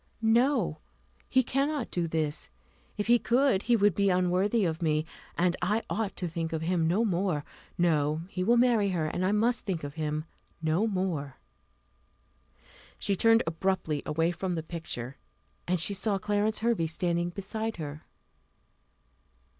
"No, he cannot do this: if he could he would be unworthy of me, and I ought to think of him no more. No; he will marry her; and I must think of him no more." She turned abruptly away from the picture, and she saw Clarence Hervey standing beside her.